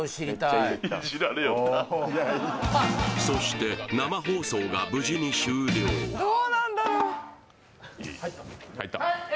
そして生放送が無事に終了はいえ